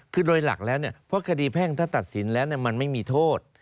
คือโดยหลักแล้วเพราะคดีแพ่งถ้าตัดสินแล้วมันไม่มีโทษ